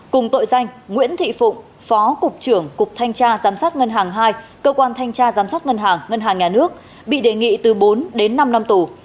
cùng tội danh nguyễn thị phụng phó cục trưởng cục thanh tra giám sát ngân hàng hai cơ quan thanh tra giám sát ngân hàng ngân hàng nhà nước bị đề nghị từ bốn đến năm năm tù